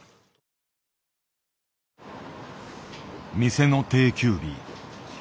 店の定休日。